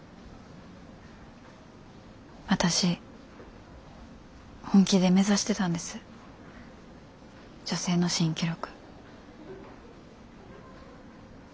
私本気で目指してたんです女性の新記録。